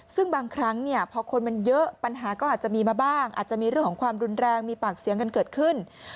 ซึ่งบางครั้งเนี่ยพอคนมันเยอะปัญหาก็อาจจะมีมาบ้างอาจจะมีเรื่องของความรุนแรงมีปากเสียงกันเกิดขึ้น